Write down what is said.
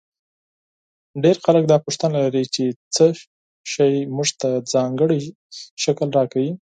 ډېر خلک دا پوښتنه لري چې څه شی موږ ته ځانګړی شکل راکوي.